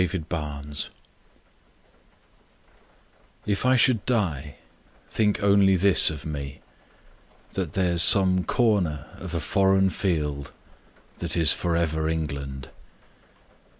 The Soldier If I should die, think only this of me: That there's some corner of a foreign field That is for ever England.